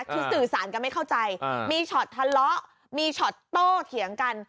คือสื่อสารกันไม่เข้าใจมีช็อตทะเลาะมีช็อตโต้เถียงกัน